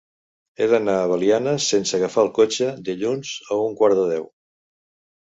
He d'anar a Belianes sense agafar el cotxe dilluns a un quart de deu.